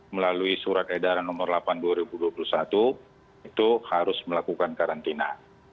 melalui surat edaran nomor delapan dua ribu dua puluh satu itu harus melakukan karantina